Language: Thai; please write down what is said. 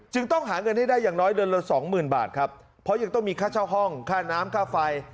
ต้องหาเงินให้ได้อย่างน้อยเดือนละสองหมื่นบาทครับเพราะยังต้องมีค่าเช่าห้องค่าน้ำค่าไฟ